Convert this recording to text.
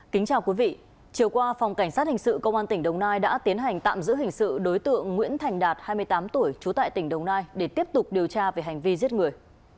kính chào quý vị chiều qua phòng cảnh sát hình sự công an tỉnh đồng nai đã tiến hành tạm giữ hình sự đối tượng nguyễn thành đạt hai mươi tám tuổi trú tại tỉnh đồng nai để tiếp tục điều tra về hành vi giết người